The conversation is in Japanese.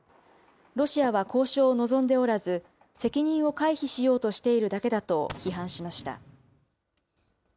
ロシアは交渉を望んでおらず、責任を回避しようとしているだけだと批判しました。